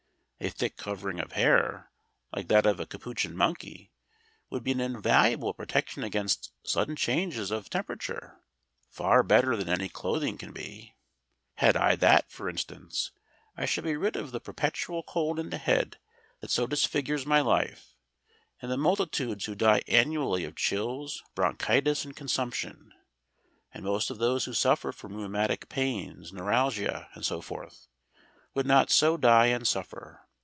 A thick covering of hair, like that of a Capuchin monkey, would be an invaluable protection against sudden changes of temperature, far better than any clothing can be. Had I that, for instance, I should be rid of the perpetual cold in the head that so disfigures my life; and the multitudes who die annually of chills, bronchitis, and consumption, and most of those who suffer from rheumatic pains, neuralgia, and so forth, would not so die and suffer.